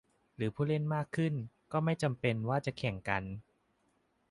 หรือผู้เล่นมากขึ้นก็ไม่จำเป็นว่าจะแข่งกัน ?